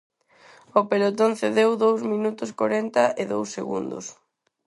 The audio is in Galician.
O pelotón cedeu dous minutos corenta e dous segundos.